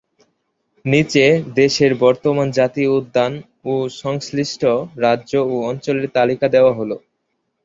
নিচে দেশের বর্তমান জাতীয় উদ্যান ও সংশ্লিষ্ট রাজ্য ও অঞ্চলের তালিকা দেওয়া হল।